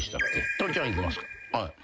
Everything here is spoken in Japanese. トリちゃんいきますか。